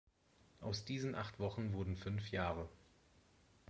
Aus diesen acht Wochen wurden fünf Jahre.